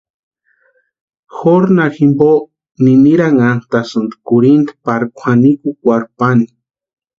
Jorna jimpo niniranhantasïni kurhinta pari kwʼanikukwarhu pani.